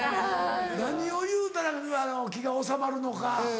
何を言うたら気が治まるのか。